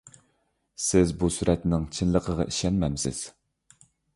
سىز بۇ سۈرەتنىڭ چىنلىقىغا ئىشەنمەمسىز؟